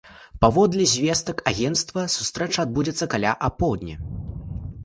Паводле звестак агенцтва, сустрэча адбудзецца каля апоўдні.